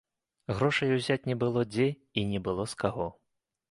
Грошай узяць не было дзе і не было з каго.